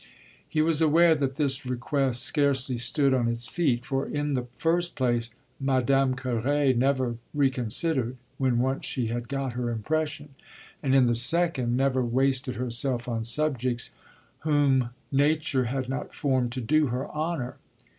He was aware that this request scarcely stood on its feet; for in the first place Madame Carré never reconsidered when once she had got her impression, and in the second never wasted herself on subjects whom nature had not formed to do her honour.